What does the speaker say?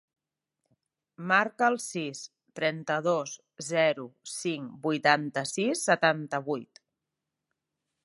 Marca el sis, trenta-dos, zero, cinc, vuitanta-sis, setanta-vuit.